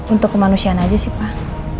untuk kemanusiaan aja sih pak